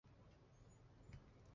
东塔的历史年代为明。